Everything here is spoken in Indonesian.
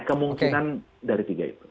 kemungkinan dari tiga itu